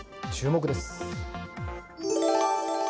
注目です。